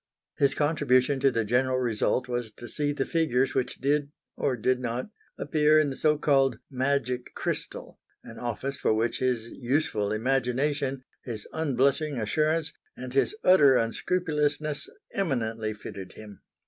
His contribution to the general result was to see the figures which did or did not appear in the so called "magic" crystal, an office for which his useful imagination, his unblushing assurance, and his utter unscrupulousness eminently fitted him.